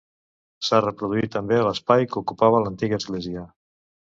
S'ha reproduït també l'espai que ocupava l'antiga església.